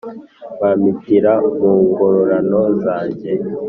Bampitira mu ngororano zanjye